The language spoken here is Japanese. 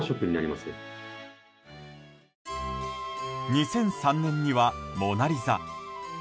２００３年には「モナ・リザ」